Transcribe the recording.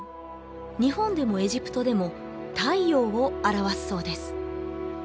日本でもエジプトでも太陽を表すそうです